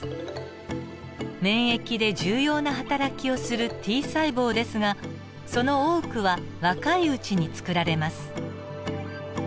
免疫で重要なはたらきをするＴ細胞ですがその多くは若いうちにつくられます。